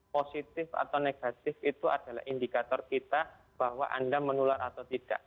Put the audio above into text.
positif atau negatif itu adalah indikator kita bahwa anda menular atau tidak